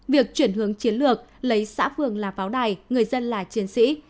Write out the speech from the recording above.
việc chuyển hướng chiến lược lấy xã phường là pháo đài người dân là chiến sĩ